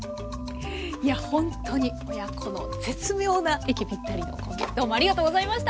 いやほんとに親子の絶妙な息ぴったりのコンビどうもありがとうございました。